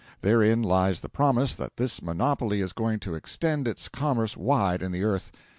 Therein lies the promise that this monopoly is going to extend its commerce wide in the earth.